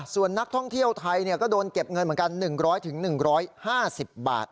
ส่วนนักท่องเที่ยวไทยเนี้ยก็โดนเก็บเงินเหมือนกันหนึ่งร้อยถึงหนึ่งร้อยห้าสิบบาท